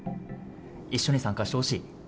一緒に参加してほしい。